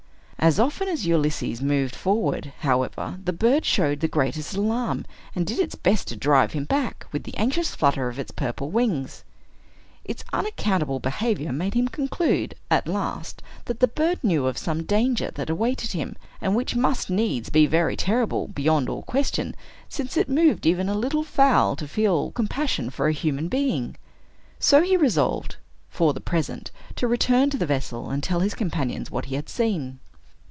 As often as Ulysses moved forward, however, the bird showed the greatest alarm, and did its best to drive him back, with the anxious flutter of its purple wings. Its unaccountable behavior made him conclude, at last, that the bird knew of some danger that awaited him, and which must needs be very terrible, beyond all question, since it moved even a little fowl to feel compassion for a human being. So he resolved, for the present, to return to the vessel, and tell his companions what he had seen.